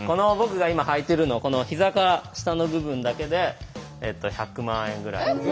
僕が今履いてるのこのひざから下の部分だけで１００万円ぐらい。